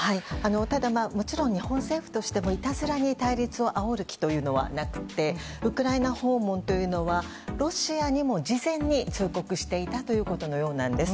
ただ、もちろん日本政府としてもいたずらに対立をあおる気というのはなくてウクライナ訪問というのはロシアにも事前に通告していたということのようなんです。